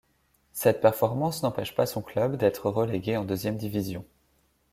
Cette performance n'empêche pas son club d'être relégué en deuxième division.